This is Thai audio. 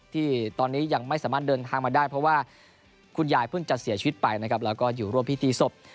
ที่ตอนนี้ยังไม่สามารถเดินทางมาได้เพราะว่าคุณยายเพิ่งจะเสียชีวิตไปนะครับแล้วก็อยู่ร่วมพิธีศพ